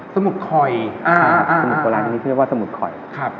สมุดโบราณชนิดหนึ่งเรียกว่าสมุดคอย